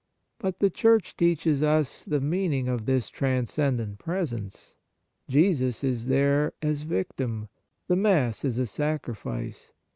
But the Church teaches us the meaning of this transcendent pre sence. Jesus is there as Victim ; the Mass is a Sacrifice.